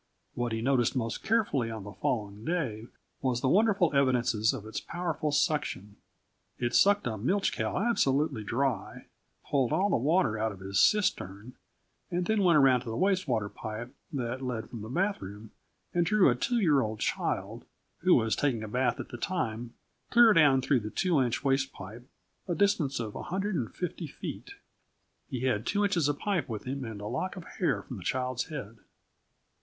What he noticed most carefully on the following day was the wonderful evidences of its powerful suction. It sucked a milch cow absolutely dry, pulled all the water out of his cistern, and then went around to the waste water pipe that led from the bath room and drew a 2 year old child, who was taking a bath at the time, clear down through the two inch waste pipe, a distance of 150 feet. He had two inches of the pipe with him and a lock of hair from the child's head.